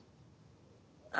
あ